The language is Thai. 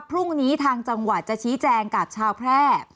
พรุ่งนี้ทางจังหวัดจะชี้แจงกับชาวแพร่